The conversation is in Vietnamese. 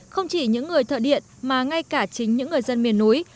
không chỉ những người thợ điện mà ngay cả chính những người dân miền núi